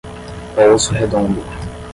Pouso Redondo